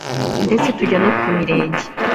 detse tujya no ku mirenge,